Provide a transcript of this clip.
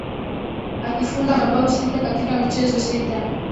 akifunga mabao sita katika michezo sita